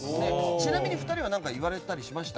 ちなみに２人は言われたりしました？